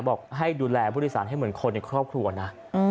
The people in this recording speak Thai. บอกให้ดูแลผู้โดยสารให้เหมือนคนในครอบครัวนะ